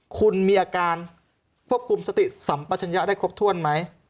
คุณมีอาการควบคุมสติสัมปัชญะได้ครบถ้วนไหม